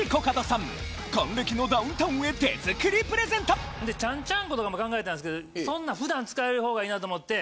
還暦のほんでちゃんちゃんことかも考えたんすけどそんなん普段使える方がいいなと思って。